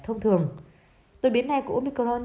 thông thường đột biến này của omicron